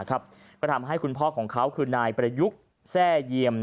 ก็ทำให้คุณพ่อของเขาคือนายประยุกต์แทร่เยี่ยม